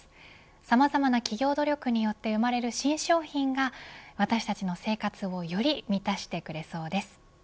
さまざまな企業努力によって生まれる新商品が私たちの生活をより満たしてくれそうです。